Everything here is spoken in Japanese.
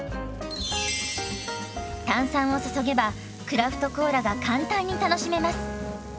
炭酸を注げばクラフトコーラが簡単に楽しめます。